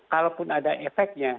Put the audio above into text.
kalaupun ada efeknya